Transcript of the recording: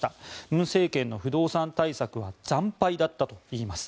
文政権の不動産対策は惨敗だったといいます。